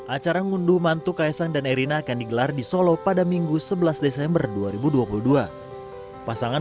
acara ngunduh mantu kaisang dan erina akan digelar di solo pada minggu sebelas desember dua ribu dua puluh dua pasangan